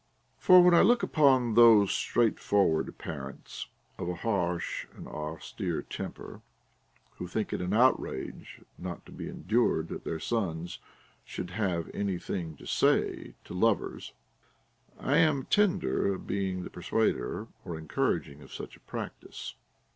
For when 1 look upon those straightforward parents, of a harsh and austere tem per, who think it an outrage not to be endured that their sons should have any thing to say to lovers, I am tender of being the persuader or encourager of such a practice.